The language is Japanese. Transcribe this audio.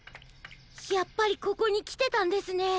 やっぱりここにきてたんですね。